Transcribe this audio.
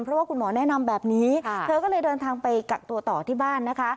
เพราะว่าคุณหมอแนะนำแบบนี้เธอก็เลยเดินทางไปกักตัวต่อที่บ้านนะคะ